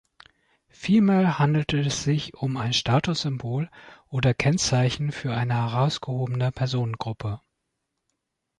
Vielmehr handelte es sich um ein Statussymbol oder Kennzeichen für eine herausgehobene Personengruppe.